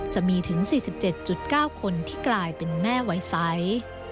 จะมีถึง๔๗๙คนที่กลายเป็นแม่วัยใส